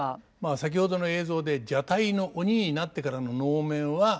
先ほどの映像で蛇体の鬼になってからの能面は般若というんですね。